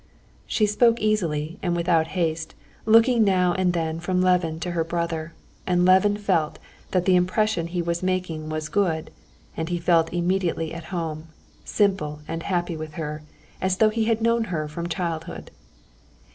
She spoke easily and without haste, looking now and then from Levin to her brother, and Levin felt that the impression he was making was good, and he felt immediately at home, simple and happy with her, as though he had known her from childhood.